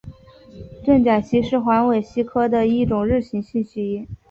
盾甲蜥是环尾蜥科的一种日行性蜥蜴。